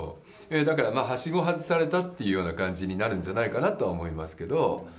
だから、はしご外されたっていうような感じになるんじゃないかなとは思い